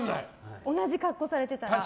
同じ格好をされていたら。